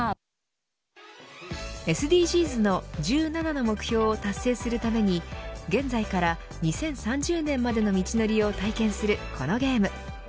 ＳＤＧｓの１７の目標を達成するために現在から２０３０年までの道のりを体験する、このゲーム。